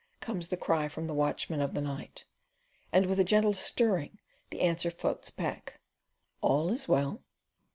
comes the cry from the watchman of the night; and with a gentle stirring the answer floats back "All is well."